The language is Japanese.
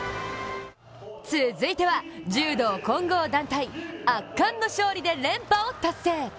続いては、柔道混合団体、圧巻の勝利で連覇を達成。